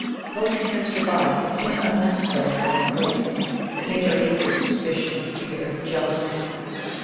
The poetry passed her by. It seemed unnecessary and out of place. It made her ache with suspicion, fear, jealousy.